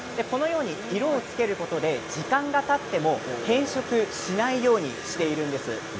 色をつけることで時間がたっても変色しないようにしているんです。